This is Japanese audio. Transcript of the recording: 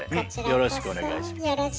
よろしくお願いします。